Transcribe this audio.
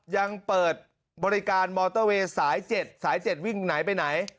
ยังเปิดบริการมอเตอร์เวย์สาย๗สาย๗วิ่งไหนไปไหน